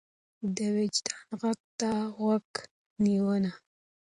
ده د وجدان غږ ته غوږ نيوه.